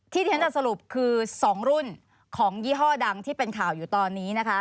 ที่ที่ฉันจะสรุปคือ๒รุ่นของยี่ห้อดังที่เป็นข่าวอยู่ตอนนี้นะคะ